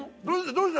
どうした？